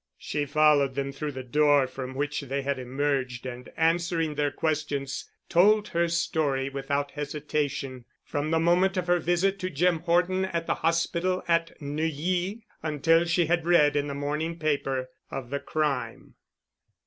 She followed them through the door from which they had emerged and answering their questions told her story without hesitation, from the moment of her visit to Jim Horton at the hospital at Neuilly until she had read in the morning paper of the crime.